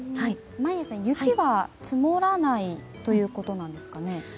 眞家さん雪は積もらないということなんですか？